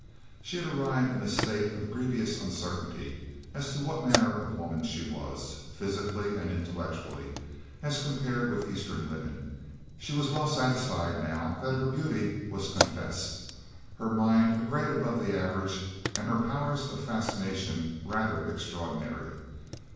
She had arrived in a state of grievous uncertainty as to what manner of woman she was, physically and intellectually, as compared with eastern women; she was well satisfied, now, that her beauty was confessed, her mind a grade above the average, and her powers of fascination rather extraordinary.